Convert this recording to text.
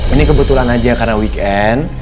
ini kebetulan aja karena weekend